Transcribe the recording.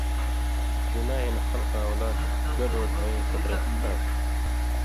زِنا ہِن خلکاں اولاد گَڈ وڈ ہُوئیں خطرہ آن٘سیۡ